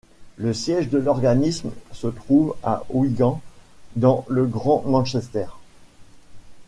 Le siège de l'organisme se trouve à Wigan, dans le Grand Manchester.